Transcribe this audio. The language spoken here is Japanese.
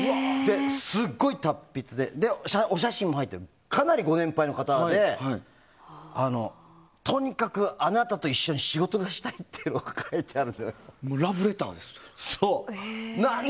すごい達筆で、お写真も入っててかなりご年配の方でとにかくあなたと一緒に仕事がしたいってラブレターですやん。